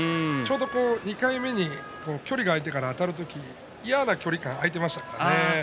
２回目に距離が開いてからあたる時に嫌な距離感が開いていました。